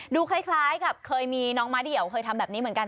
คล้ายกับเคยมีน้องม้าเดี่ยวเคยทำแบบนี้เหมือนกัน